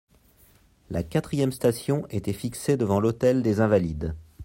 La quatrième station était fixée devant l'hôtel des Invalides.